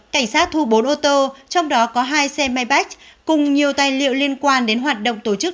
cảnh sát thu bốn ô tô trong đó có hai xe máy cùng nhiều tài liệu liên quan đến hoạt động tổ chức